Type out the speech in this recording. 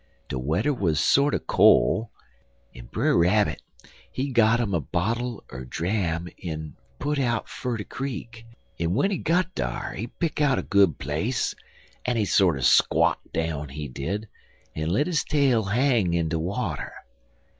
De wedder wuz sorter col', en Brer Rabbit, he got 'im a bottle er dram en put out fer de creek, en w'en he git dar he pick out a good place, en he sorter squot down, he did, en let his tail hang in de water.